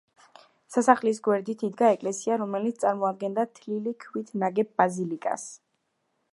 სასახლის გვერდით იდგა ეკლესია, რომელიც წარმოადგენდა თლილი ქვით ნაგებ ბაზილიკას.